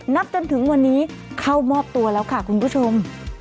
นับจนถึงวันนี้เข้ามอบตัวแล้วค่ะคุณผู้ชม